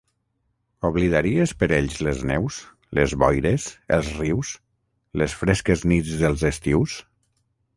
Oblidaries per ells les neus, les boires, els rius, les fresques nits dels estius?